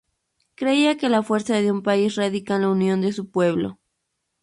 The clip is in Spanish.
Creía que la fuerza de un país radica en la unión de su pueblo.